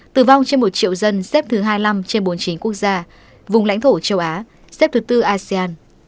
tử vong trên một triệu dân xếp thứ hai mươi năm trên bốn mươi chín quốc gia vùng lãnh thổ châu á xếp thứ tư asean